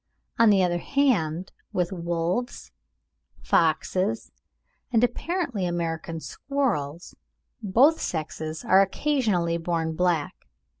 On the other hand, with wolves, foxes, and apparently American squirrels, both sexes are occasionally born black.